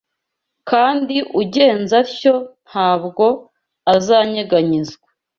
kandi ugenza atyo ntabwo azanyeganyezwa